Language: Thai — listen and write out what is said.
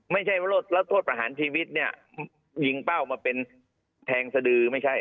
ไม่ใช่แล้วโทษประหารชีวิตเนี่ยยิงเป้ามาเป็นแทงสดือไม่ใช่